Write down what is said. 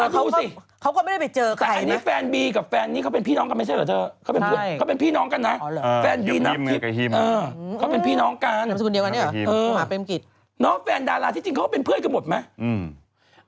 ดูสิแต่ไอ้นี่แฟนบีกับแฟนนี้เขาเป็นพี่น้องกันไม่ใช่เหรอเธอพี่น้องกันนะแฟนบีนับผิดแฟนดาราที่จริงเขาก็เป็นเพื่อนกันหมดไหม